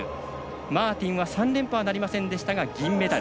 マーティンは３連覇はなりませんでしたが銀メダル。